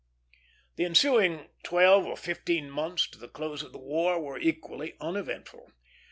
The ensuing twelve or fifteen months to the close of the war were equally uneventful.